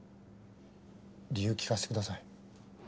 理由聞かせてください。